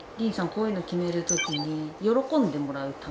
こういうの決める時に喜んでもらうため？